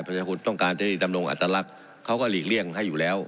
ประชาชนต้องการที่ดำรงอัตลักษณ์เขาก็หลีกเลี่ยงให้อยู่แล้ว